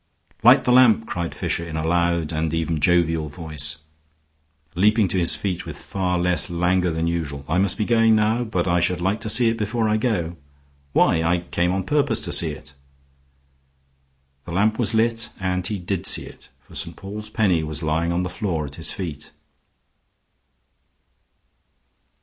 "Light the lamp!" cried Fisher in a loud and even jovial voice, leaping to his feet with far less languor than usual. "I must be going now, but I should like to see it before I go. Why, I came on purpose to see it." The lamp was lit, and he did see it, for St. Paul's Penny was lying on the floor at his feet.